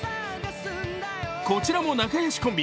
こちらも仲良しコンビ